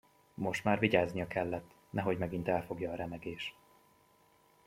Most már vigyáznia kellett, nehogy megint elfogja a remegés.